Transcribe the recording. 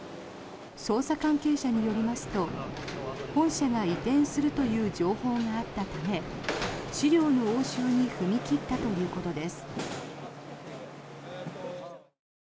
捜査関係者によりますと本社が移転するという情報があったため資料の押収に踏み切ったということです。